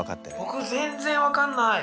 僕全然分かんない。